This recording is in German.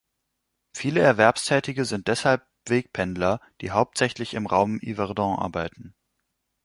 Viele Erwerbstätige sind deshalb Wegpendler, die hauptsächlich im Raum Yverdon arbeiten.